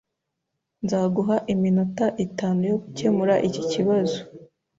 Nzaguha iminota itanu yo gukemura iki kibazo.